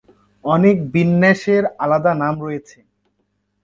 অনেক বিন্যাসের আলাদা নাম রয়েছে।